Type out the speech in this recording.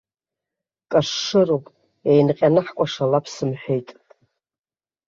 Кашырроуп, еинҟьаны ҳкәашалап сымҳәеит.